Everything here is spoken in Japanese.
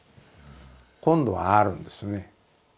今度はあるんですよね。